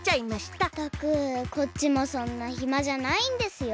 ったくこっちもそんなひまじゃないんですよ。